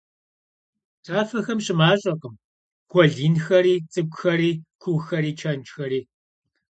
Tafexem şımaş'ekhım guel yinxeri, ts'ık'uxeri, kuuxeri, çenjjxeri.